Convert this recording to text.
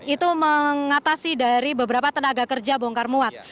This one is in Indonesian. itu mengatasi dari beberapa tenaga kerja bongkar muat